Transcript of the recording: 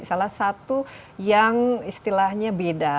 salah satu yang istilahnya beda